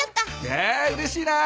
えうれしいな。